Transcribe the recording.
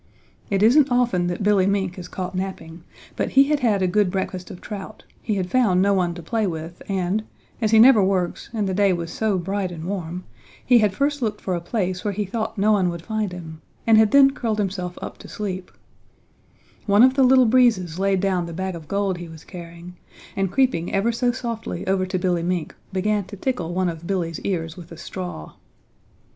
It isn't often that Billy Mink is caught napping, but he had had a good breakfast of trout, he had found no one to play with and, as he never works and the day was so bright and warm, he had first looked for a place where he thought no one would find him and had then curled himself up to sleep, One of the Little Breezes laid down the bag of gold he was carrying and creeping ever so softly over to Billy Mink began to tickle one of Billy's ears with a straw.